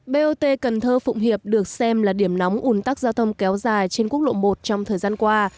bot cần thơ phụng hiệp được xem là điểm nóng ủn tắc giao thông kéo dài trên quốc lộ một trong thời gian qua